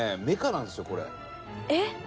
メカなんですよこれ。えっ！